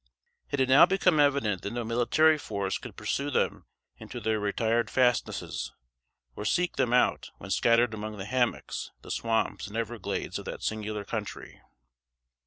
It had now become evident that no military force could pursue them into their retired fastnesses, or seek them out when scattered among the hommocks, the swamps and everglades of that singular country.